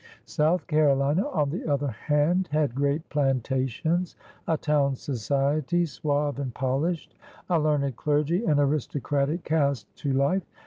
South Carolina, on the other hand, had great plantations, a town society, suave and polished, a learned clergy, an aristocratic cast to life.